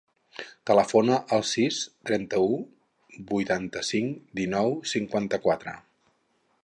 Telefona al sis, trenta-u, vuitanta-cinc, dinou, cinquanta-quatre.